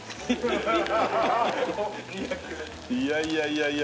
いやいやいやいや。